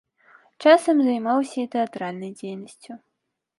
Часам займаўся і тэатральнай дзейнасцю.